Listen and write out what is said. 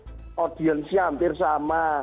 itu audiensnya hampir sama